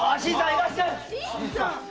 いらっしゃい！